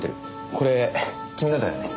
これ君のだよね？